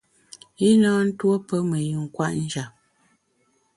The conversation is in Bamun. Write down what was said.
I na tuo pe me yin kwet njap.